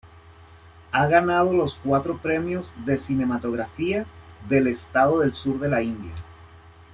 Ha ganado los cuatro premios de cinematografía, del estado del sur de India.